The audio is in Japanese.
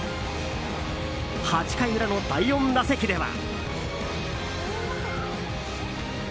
８回裏の第４打席では。